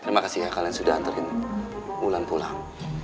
terima kasih ya kalian sudah anterin bulan pulang